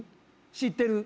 知ってる？